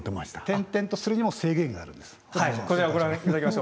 転々とするにも制限があるんです。